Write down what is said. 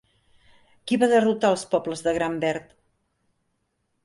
Qui va derrotar els pobles del Gran Verd?